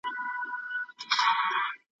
ایا ته په خپل ذهن کي کومه نوې پوښتنه لري؟